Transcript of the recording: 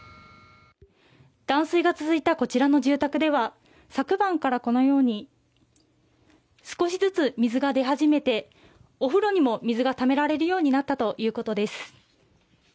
断水が続いた、こちらの住宅では昨晩から、このように少しずつ、水が出始めてお風呂にも水がためられるようになったということです。